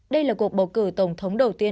đây là cuộc bầu cử tổng thống đầu tiên